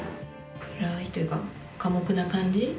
暗いというか、寡黙な感じ。